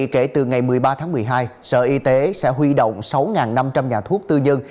kể từ ngày một mươi ba tháng một mươi hai sở y tế sẽ huy động sáu năm trăm linh nhà thuốc tư nhân